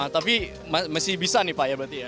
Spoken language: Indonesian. tapi masih bisa nih pak ya berarti ya